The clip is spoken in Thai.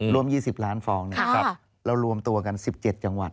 รวม๒๐ล้านฟองเรารวมตัวกัน๑๗จังหวัด